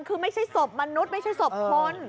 คือไม่ใช่ศพมนุษย์ไม่ใช่ศพคน